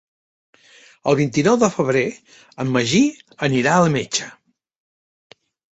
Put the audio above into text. El vint-i-nou de febrer en Magí anirà al metge.